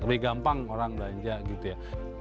lebih gampang orang belanja gitu ya